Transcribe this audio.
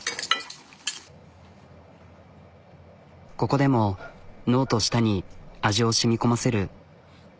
ここでも脳と舌に味を染み込ませる。